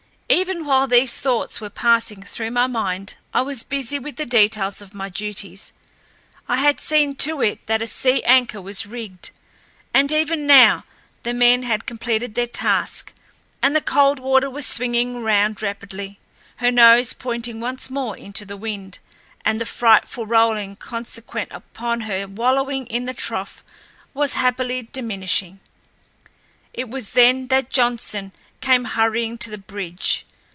Even while these thoughts were passing through my mind I was busy with the details of my duties. I had seen to it that a sea anchor was rigged, and even now the men had completed their task, and the Coldwater was swinging around rapidly, her nose pointing once more into the wind, and the frightful rolling consequent upon her wallowing in the trough was happily diminishing. It was then that Johnson came hurrying to the bridge.